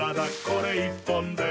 これ１本で」